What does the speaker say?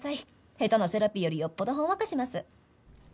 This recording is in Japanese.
下手なセラピーよりよっぽどほんわかします。